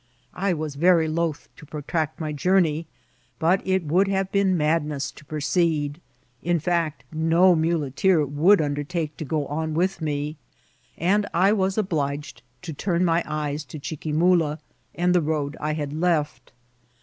I was very loth to protract my journey, but it would have been madness to proceed ; in fact, no muleteer would undertake to go on with me, and I was obliged to turn my eyes to Chiquimula and the road I had left.